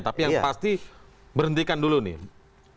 tapi yang pasti berhentikan dulu nih